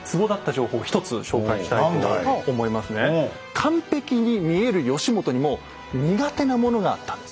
完璧に見える義元にも苦手なものがあったんです。